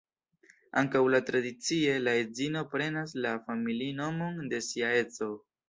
Ankaŭ laŭtradicie, la edzino prenas la familinomon de sia edzo.